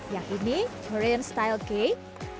yang ini marine style cake